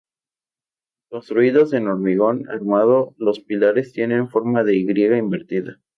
Construidos en hormigón armado, los pilares tiene forma de "Y" invertida.